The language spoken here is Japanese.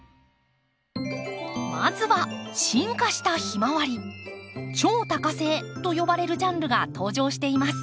まずは進化したヒマワリ超多花性と呼ばれるジャンルが登場しています。